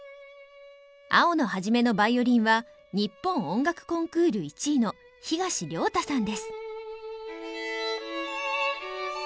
青野一のヴァイオリンは日本音楽コンクール１位の東亮汰さんです。